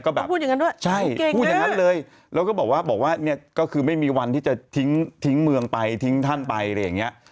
แบบพูดอย่างนั้นด้วยใช่พูดอย่างนั้นเลยแล้วก็บอกว่าบอกว่าเนี่ยก็คือไม่มีวันที่จะทิ้งทิ้งเมืองไปทิ้งท่านไปอะไรอย่างเงี้ย